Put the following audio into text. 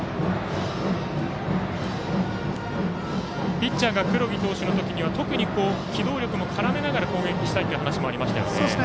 ピッチャーが黒木投手の時には特に機動力も絡めながら攻撃したいという話もありましたよね。